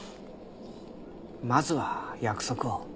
まずは約束を。